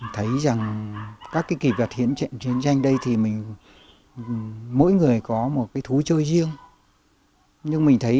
thấy rằng các cái kỳ vật hiện chiến tranh đây thì mình mỗi người có một cái thú chơi riêng nhưng mình thấy